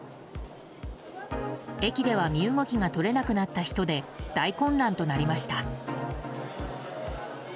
駅では身動きが取れなくなった人で大混乱となりました。